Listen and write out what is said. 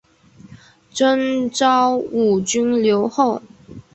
赠昭武军留后。